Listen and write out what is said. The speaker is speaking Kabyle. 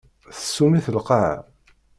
Tsum-it lqaɛa.